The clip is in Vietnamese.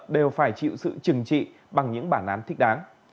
đều phải chịu sự trừng trị bằng những bản án thích đáng